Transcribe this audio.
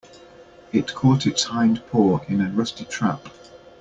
It caught its hind paw in a rusty trap.